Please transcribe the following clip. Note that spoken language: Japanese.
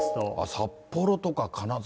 札幌とか金沢。